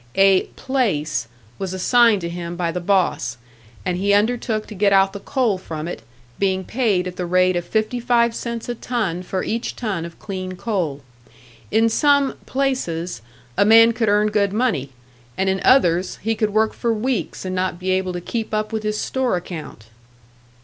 A "place" was assigned to him by the boss and he undertook to get out the coal from it, being paid at the rate of fifty five cents a ton for each ton of clean coal. In some "places" a man could earn good money, and in others he would work for weeks, and not be able to keep up with his store account.